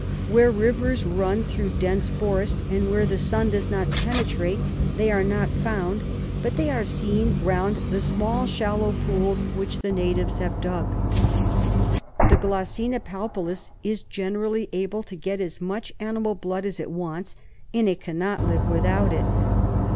Where rivers run through dense forest and where the sun does not penetrate, they are not found, but they are seen round the small, shallow pools which the natives have dug. The Glossina palpalis is generally able to get as much animal blood as it wants, and it cannot live without it.